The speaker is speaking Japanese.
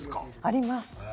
あります。